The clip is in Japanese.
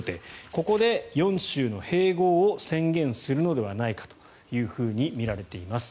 ここで４州の併合を宣言するのではないかとみられています。